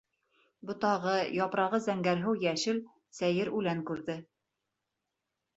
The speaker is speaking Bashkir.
Ботағы, япрағы зәңгәрһыу-йәшел сәйер үлән күрҙе.